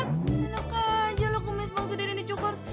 enak aja lu kumis bang sudah udah dicukur